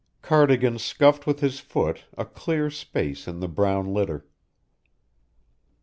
Cardigan scuffed with his foot a clear space in the brown litter.